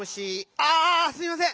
ああすみません！